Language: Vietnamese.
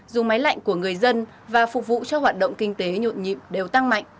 dùng máy lạnh của người dân và phục vụ cho hoạt động kinh tế nhuận nhịp đều tăng mạnh